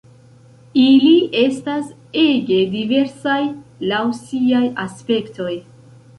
Ili estas ege diversaj laŭ siaj aspektoj.